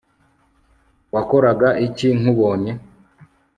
Wakoraga iki nkubonye